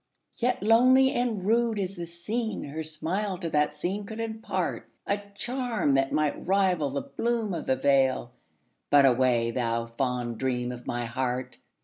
Yet lonely and rude as the scene, Her smile to that scene could impartA charm that might rival the bloom of the vale,—But away, thou fond dream of my heart!